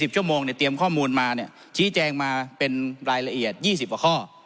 ชั่วโมงเตรียมข้อมูลมาชี้แจงมาเป็นรายละเอียด๒๐กว่าข้อ